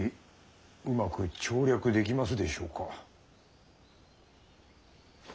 うまく調略できますでしょうか？